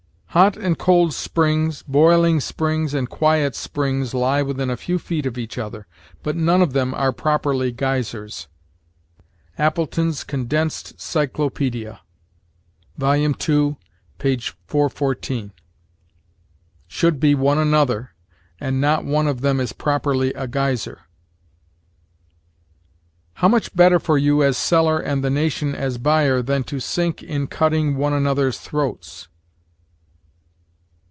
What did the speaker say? "Hot and cold springs, boiling springs, and quiet springs lie within a few feet of each other, but none of them are properly geysers." Appletons' "Condensed Cyclopædia," vol. ii, p. 414. Should be one another, and not one of them is properly a geyser. "How much better for you as seller and the nation as buyer ... than to sink ... in cutting one another's throats."